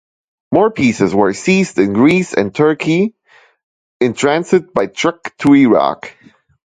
More pieces were seized in Greece and Turkey in transit by truck to Iraq.